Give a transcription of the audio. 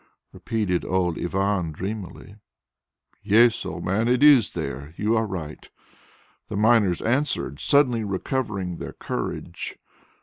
repeated old Ivan dreamily. "Yes, old man, it is there, you are right," the miners answered, suddenly recovering their courage.